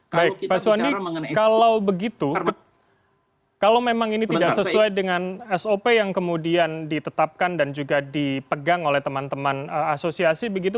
baik pak suwandi kalau begitu kalau memang ini tidak sesuai dengan sop yang kemudian ditetapkan dan juga dipegang oleh teman teman asosiasi begitu